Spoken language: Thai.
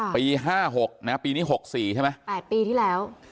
ปี๕๖นะปีนี้๖๔ใช่ไหม๘ปีที่แล้ว